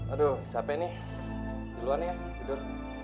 aduh capek nih duluan ya tidur